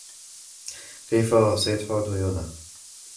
كيفَ سيدفع ديونهُ؟